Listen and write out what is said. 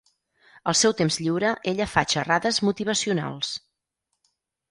Al seu temps lliure ella fa xerrades motivacionals.